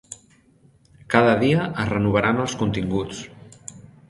Cada dia es renovaran els continguts.